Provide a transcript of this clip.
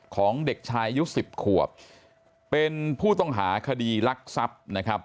ของเด็กชายอายุสิบขวบเป็นผู้ต้องหาคดีรักทรัพย์นะครับ